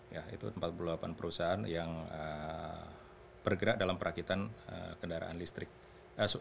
ya itu empat puluh delapan perusahaan yang bergerak dalam perakitan kendaraan listrik